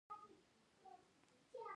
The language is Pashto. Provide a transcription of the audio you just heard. آزاد تجارت مهم دی ځکه چې وخت سپموي.